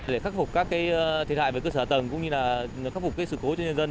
để khắc phục các thiệt hại về cơ sở tầng cũng như là khắc phục sự cố cho nhân dân